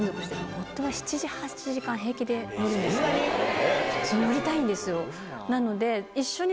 夫は７、８時間、平気で乗るんでそんなに？